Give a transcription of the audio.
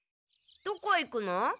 どこ行くの？